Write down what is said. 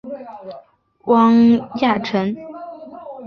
汪亚尘。